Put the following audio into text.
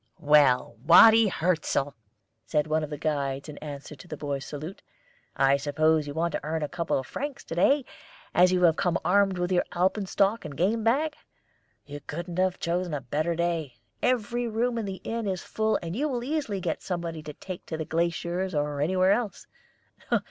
"Well, Watty Hirzel," said one of the guides in answer to the boy's salute, "I suppose you want to earn a couple of francs to day, as you have come armed with alpenstock and game bag? You couldn't have chosen a better day. Every room in the inn is full, and you will easily get somebody to take to the glaciers or anywhere else."